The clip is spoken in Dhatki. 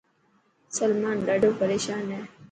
سلمان ڏاڌو پريشان هي.